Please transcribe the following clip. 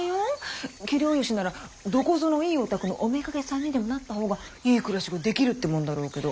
器量よしならどこぞのいいお宅のお妾さんにでもなった方がいい暮らしができるってもんだろうけど。